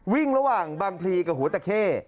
วิ่งระหว่างบางพลีกับหัวตะเข้